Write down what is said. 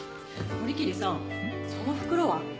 堀切さんその袋は？